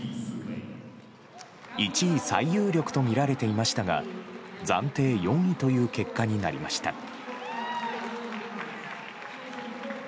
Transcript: １位最有力とみられていましたが暫定４位という結果になりました。